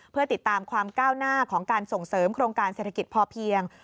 เพื่อติดตามความก้าวหน้าของการส่งเสริมโครงการเศรษฐกิจพอเพียง